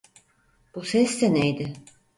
Bu ses de neydi?